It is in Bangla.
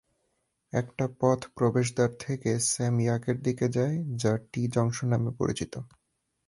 একটা পথ প্রবেশদ্বার থেকে স্যাম ইয়াকের দিকে যায়, যা টি-জংশন নামে পরিচিত।